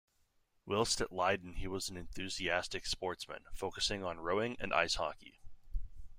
Whilst at Leiden he was an enthusiastic sportsman, focusing on rowing and ice hockey.